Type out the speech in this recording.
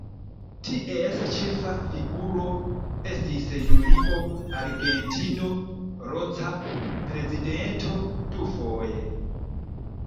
Ties ĉefa figuro estis Julio Argentino Roca, prezidento dufoje.